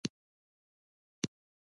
آزاد تجارت مهم دی ځکه چې پرمختګ هڅوي.